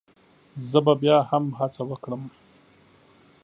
زه به بيا هم هڅه وکړم